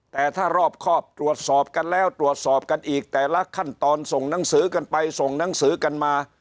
แต่ถ้ารอบครอบตรวจสอบกันแล้วตรวจสอบกันอีกแต่ละขั้นตอนส่งหนังสือกันไปส่งหนังสือกันมา